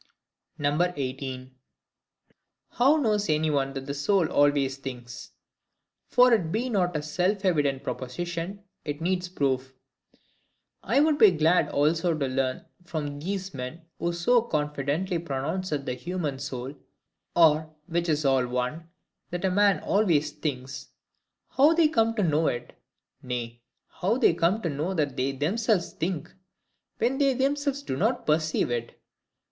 18. How knows any one that the Soul always thinks? For if it be not a self evident Proposition, it needs Proof. I would be glad also to learn from these men who so confidently pronounce that the human soul, or, which is all one, that a man always thinks, how they come to know it; nay, how they come to know that they themselves think, when they themselves do not perceive it.